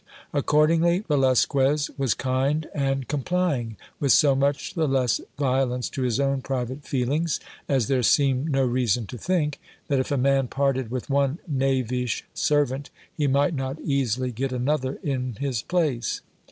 Accordingly Velasquez was kind and com plying, with so much the less violence to his own private feelings, as there seemed no reason to think, that if a man parted with one knavish servant, he might not easily get another in his place.